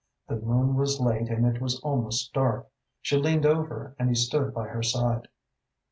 The moon was late and it was almost dark. She leaned over and he stood by her side.